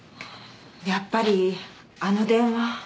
やっぱりあの電話。